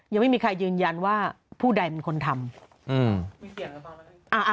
ยังไม่มีใครยืนยันว่าผู้ใดเป็นคนทำ